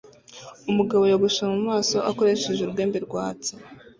Umugabo yogosha mu maso akoresheje urwembe rwatsi